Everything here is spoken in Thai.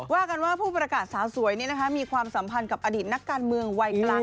ว่ากันว่าผู้ประกาศสาวสวยมีความสัมพันธ์กับอดีตนักการเมืองวัยกลาง